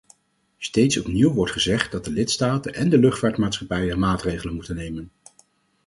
Steeds opnieuw wordt gezegd dat de lidstaten en de luchtvaartmaatschappijen maatregelen moeten nemen.